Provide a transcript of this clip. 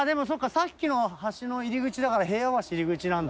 さっきの橋の入り口だから平和橋入口なんだ。